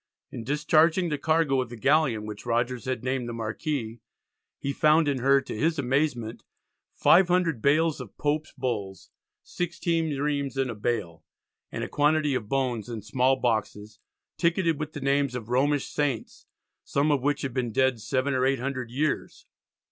In discharging the cargo of the galleon, which Rogers had named the Marquis, he found in her, to his amazement, "500 Bales of Pope's Bulls, 16 reams in a Bale," and a quantity of bones in small boxes "ticketed with the names of Romish Saints, some of which had been dead 7 or 800 years."